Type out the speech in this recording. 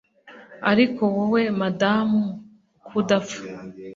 Ariko Wowe Madamu Ukudapfa